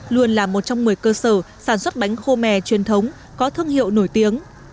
luôn là một trong một mươi cơ sở sản xuất bánh khô mè truyền thống có thương hiệu nổi tiếng